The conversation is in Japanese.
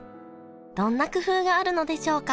どんな工夫があるのでしょうか？